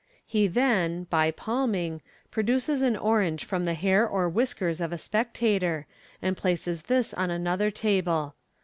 He then (by palming) produces an orange from the hair or whiskers of a spectator, and places this on another table.